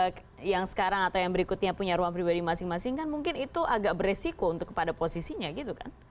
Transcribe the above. kalau yang sekarang atau yang berikutnya punya ruang pribadi masing masing kan mungkin itu agak beresiko untuk kepada posisinya gitu kan